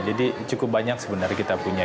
jadi cukup banyak sebenarnya kita punya